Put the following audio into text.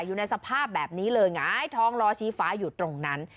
อยู่ในสภาพแบบนี้เลยหงายท้องล้อชี้ฟ้าอยู่ตรงนั้น